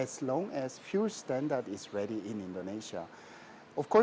selama standar perangkat di indonesia sudah siap